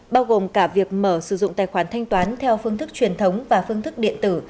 bao gồm cả việc mở sử dụng tài khoản thanh toán theo phương thức truyền thống và phương thức điện tử